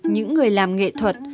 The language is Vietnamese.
những người làm nghệ thuật